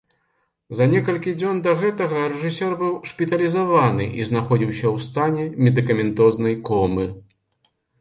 За некалькі дзён да гэтага рэжысёр быў шпіталізаваны і знаходзіўся ў стане медыкаментознай комы.